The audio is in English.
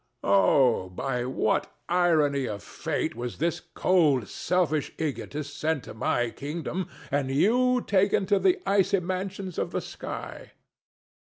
Oh, by what irony of fate was this cold selfish egotist sent to my kingdom, and you taken to the icy mansions of the sky!